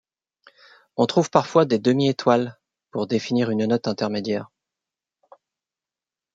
On trouve parfois des demi-étoiles pour définir une note intermédiaire.